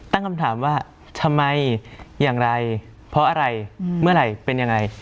ตั้งคำถามว่าทำไมอย่างไรเพราะอะไรเมื่อไหร่เป็นยังไง